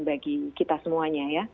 bagi kita semuanya ya